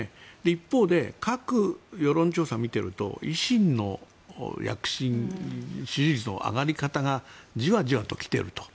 一方で各世論調査を見ていると維新の躍進、支持率の上がり方がじわじわと来ていると。